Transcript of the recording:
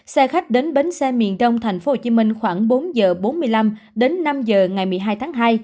xe khách đến bến xe miền đông tp hcm khoảng bốn giờ bốn mươi năm đến năm h ngày một mươi hai tháng hai